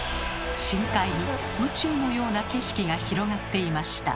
深海に宇宙のような景色が広がっていました。